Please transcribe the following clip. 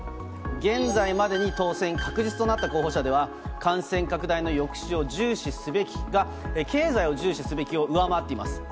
現在までに当選確実となった候補者では、感染拡大の抑止を重視すべきが、経済を重視すべきを上回っています。